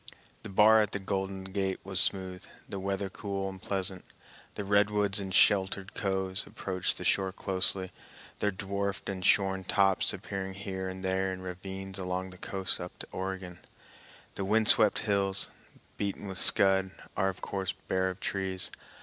The bar at the Golden Gate was smooth, the weather cool and pleasant. The redwoods in sheltered coves approach the shore closely, their dwarfed and shorn tops appearing here and there in ravines along the coast up to Oregon. The wind swept hills, beaten with scud, are of course bare of trees.